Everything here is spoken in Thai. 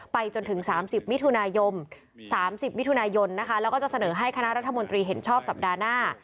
ไปจนถึง๓๐มิถุนายนแล้วก็จะเสนอให้คณะรัฐมนตรีเห็นชอบสัปดาห์หน้า